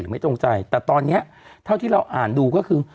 ไม่ตรงใจแต่ตอนนี้เท่าที่เราอ่านดูก็คือ